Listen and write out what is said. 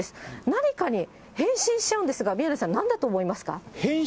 何かに変身しちゃうんですが、宮根さん、なんだと思いますか？